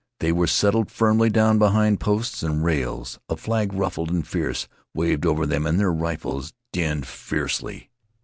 They were settled firmly down behind posts and rails. A flag, ruffled and fierce, waved over them and their rifles dinned fiercely.